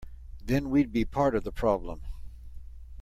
Then we’d be part of the problem.